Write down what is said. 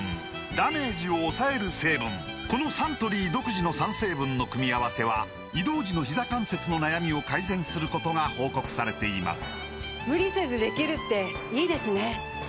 このサントリー独自の３成分の組み合わせは移動時のひざ関節の悩みを改善することが報告されています